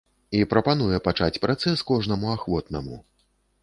І прапануе пачаць працэс кожнаму ахвотнаму.